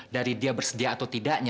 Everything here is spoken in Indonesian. dari dia bersedia atau tidaknya